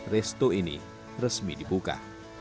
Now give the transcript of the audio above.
resto ini resmi dibuka